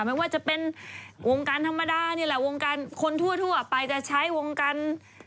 ไม่ว่าจะเป็นวงการธรรมดานี่แหละวงการคนทั่วไปจะใช้วงการ